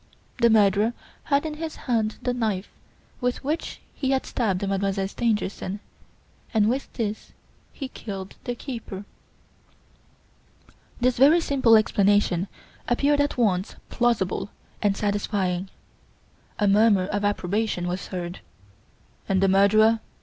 The murderer had in his hand the knife with which he had stabbed Mademoiselle Stangerson and with this he killed the keeper." This very simple explanation appeared at once plausible and satisfying. A murmur of approbation was heard. "And the murderer?